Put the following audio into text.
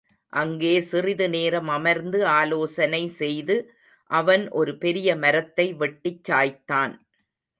அங்கே சிறிது நேரம் அமர்ந்து ஆலோசனை செய்து, அவன் ஒரு பெரிய மரத்ததை, வெட்டிச் சாய்த்தான்.